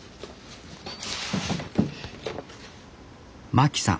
真樹さん